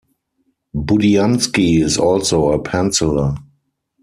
Budiansky is also a penciller.